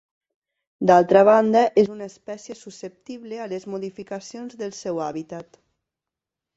D'altra banda, és una espècie susceptible a les modificacions del seu hàbitat.